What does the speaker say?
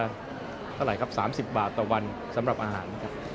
เท่าไหร่ครับ๓๐บาทต่อวันสำหรับอาหารนะครับ